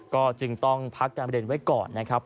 ก็จึงต้องพักการเรียนไว้ก่อนนะครับ